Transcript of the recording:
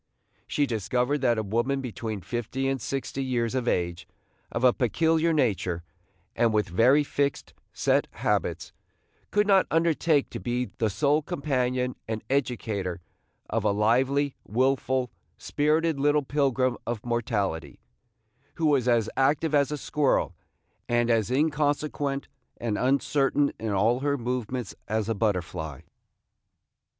She discovered that a woman between fifty and sixty years of age, of a peculiar nature, and with very fixed, set habits, could not undertake to be the sole companion and educator of a lively, wilful, spirited little pilgrim of mortality, who was as active as a squirrel, and as inconsequent and uncertain in all her movements as a butterfly.